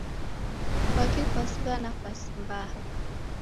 Kwaki kwasigha nafasi mbaha?